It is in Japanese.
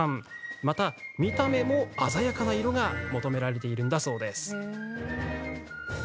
また、見た目も鮮やかな色が求められているんだそう。